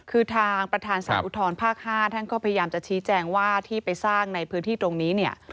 คือทางประธานสารอุทธรภาค๕ท่านก็พยายามจะชี้แจงว่าที่ไปสร้างในพื้นที่ตรงนี้เนี่ย